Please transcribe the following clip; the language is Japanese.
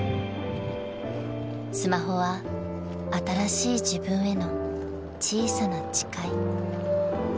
［スマホは新しい自分への小さな誓い］